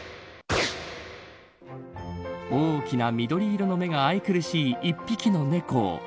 大きな緑色の目が愛くるしい一匹の猫。